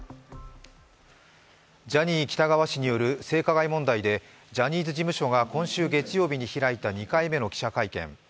ジャニー喜多川氏による性加害問題でジャニーズ事務所が今週月曜日に開いた２回目の記者会見。